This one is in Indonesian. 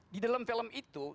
di dalam film itu